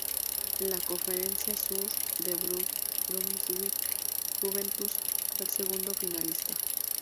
En la conferencia sur el Brunswick Juventus fue el segundo finalista.